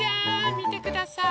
みてください！